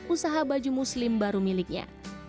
usaha baju muslim baru miliknya